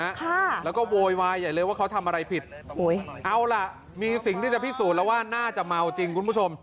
ค่ะแล้วก็โวยวายใหญ่เลยว่าเขาทำอะไรผิดโอ้ยเอาล่ะมีสิ่งที่จะพิสูจน์แล้วว่าน่าจะเมาจริงคุณผู้ชม